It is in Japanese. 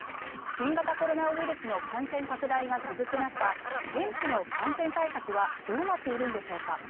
新型コロナウイルスの感染拡大が続く中現地の感染対策はどうなっているんでしょうか。